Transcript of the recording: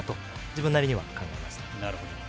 自分なりには考えました。